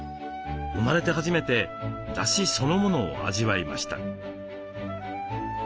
生まれて初めてだしそのものを味わいました。